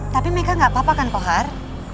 tapi mereka nggak apa apa kan pohar